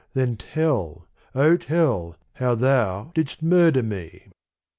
Then tell, O tell, how thou didst murder me."